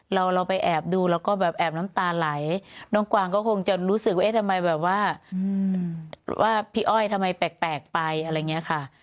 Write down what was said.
เราไปแอบดูแล้วก็แบบแอบน้ำตาไหลน้องกวางก็คงจะรู้สึกว่าเอ๊ะทำไมแบบว่าว่าพี่อ้อยทำไมแปลกไปอะไรอย่างนี้ค่ะ